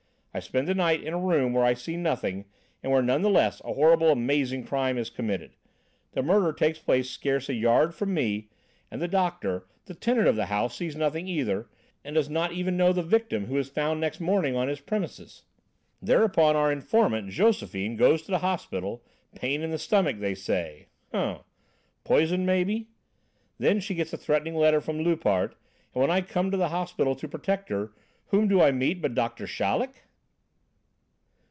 I spend a night in a room where I see nothing, and where nevertheless a horrible amazing crime is committed. The murder takes place scarce a yard from me, and the doctor, the tenant of the house, sees nothing either, and does not even know the victim who is found next morning on his premises! Thereupon our informant, Josephine, goes into hospital; pain in the stomach, they say hem! Poison, maybe? Then she gets a threatening letter from Loupart. And when I come to the hospital to protect her, whom do I meet but Doctor Chaleck!"